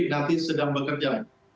nanti sedang bekerja